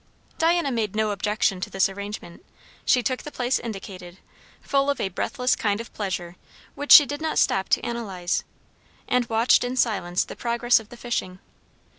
Diana made no objection to this arrangement. She took the place indicated, full of a breathless kind of pleasure which she did not stop to analyze; and watched in silence the progress of the fishing.